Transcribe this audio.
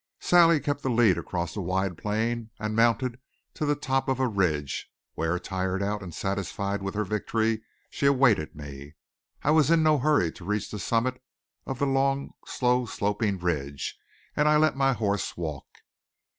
Sally kept the lead across the wide plain, and mounted to the top of a ridge, where tired out, and satisfied with her victory, she awaited me. I was in no hurry to reach the summit of the long, slow sloping ridge, and I let my horse walk.